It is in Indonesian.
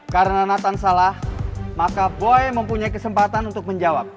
karena nathan salah maka boy mempunyai kesempatan untuk menjawab